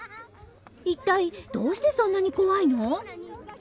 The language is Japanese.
一体どうしてそんなに怖いの？